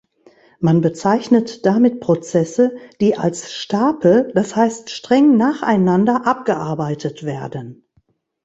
Man bezeichnet damit Prozesse, die als „Stapel“, das heißt streng nacheinander, abgearbeitet werden.